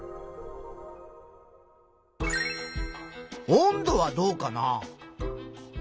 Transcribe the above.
温度はどうかな？